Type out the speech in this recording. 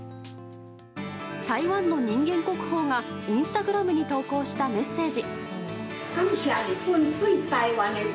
台湾の人間国宝がインスタグラムに投稿したメッセージ。